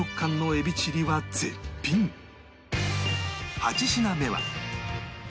８品目は